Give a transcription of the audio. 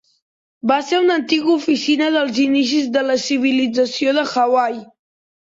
Va ser una antiga oficina des dels inicis de la civilització de Hawaii.